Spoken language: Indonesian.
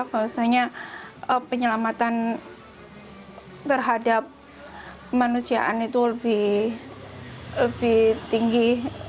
bahwasanya penyelamatan terhadap kemanusiaan itu lebih tinggi